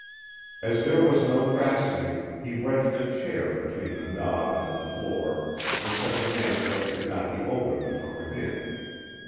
As there was no fastening, he wedged a chair between the knob and the floor, in such a manner that it could not be opened from within.